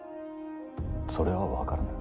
それは分からぬ。